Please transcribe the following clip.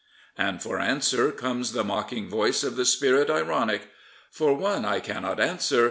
And for answer comes the mocking voice of the Spirit Ironic — For one I cannot answer.